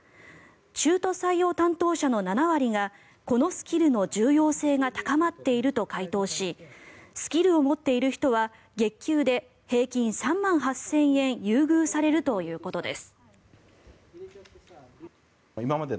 中途採用担当者の７割がこのスキルの重要性が高まっていると回答しスキルを持っている人は月給で平均３万８０００円優遇されるということです。